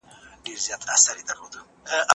په اسلام کي د هر چا مال محترم دی.